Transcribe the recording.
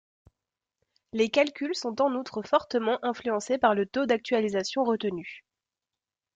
Les calculs sont en outre fortement influencés par le taux d’actualisation retenu.